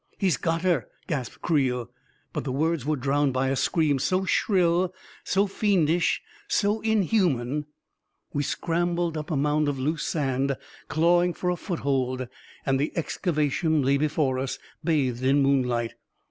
11 He* s got her !" gasped Creel ; but the words were drowned by a scream so shrill, so fiendish, so inhuman ..♦ A KING IN BABYLON 371 We scrambled up a mound of loose sand, clawing for a foothold, and the excavation lay before us, bathed in moonlight